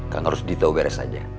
kan harus ditau beres saja